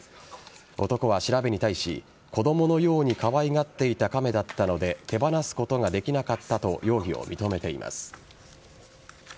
男は調べに対し子供のようにかわいがっていたカメだったので手放すことができなかったと容疑を認めています。